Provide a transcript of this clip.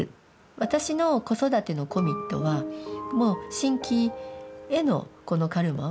私の子育てのコミットはもう真気へのこのカルマを切ることです。